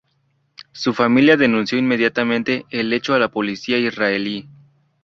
Su familia denunció inmediatamente el hecho a la Policía israelí.